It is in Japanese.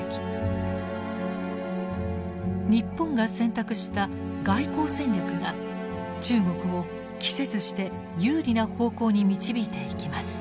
日本が選択した外交戦略が中国を期せずして有利な方向に導いていきます。